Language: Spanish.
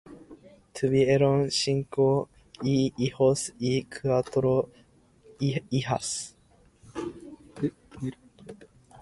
Tuvieron cinco hijos y cuatro hijas.